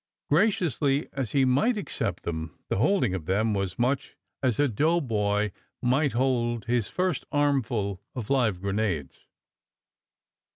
Graciously as he might accept them, the holding of them was much as a doughboy might hold his first armful of live grenades.